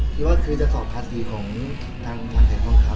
คือว่าคือจะสอบภาษีของทางแผนทองคำ